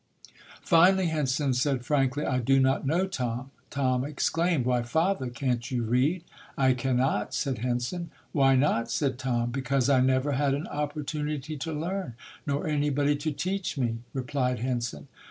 Finally Henson said frankly, "I do not know, Tom". Tom exclaimed, "Why, Father, can't you read ?" "I cannot", said Henson. "Why not?" said Tom. "Because I never had an opportunity to learn, nor anybody to teach me", replied Henson.